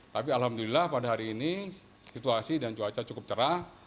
tapi alhamdulillah pada hari ini situasi dan cuaca cukup cerah